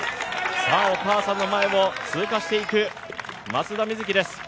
お母さんの前を通過していく松田瑞生です。